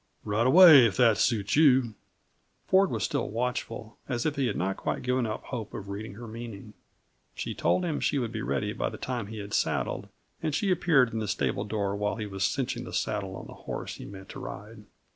"Right away, if that suits you." Ford was still watchful, as if he had not quite given up hope of reading her meaning. She told him she would be ready by the time he had saddled, and she appeared in the stable door while he was cinching the saddle on the horse he meant to ride.